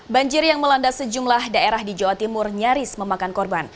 banjir yang melanda sejumlah daerah di jawa timur nyaris memakan korban